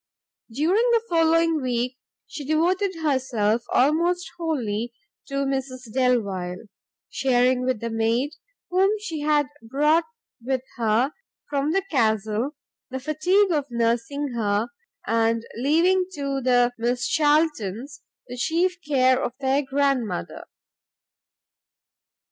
During the following week, she devoted herself almost wholly to Mrs Delvile, sharing with the maid, whom she had brought with her from the Castle, the fatigue of nursing her, and leaving to the Miss Charltons the chief care of their grandmother.